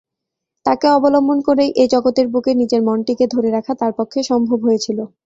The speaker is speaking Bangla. তাকে অবলম্বন করেই এ-জগতের বুকে নিজের মনটিকে ধরে রাখা তাঁর পক্ষে সম্ভব হয়েছিল।